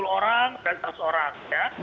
lima puluh orang dan seratus orang ya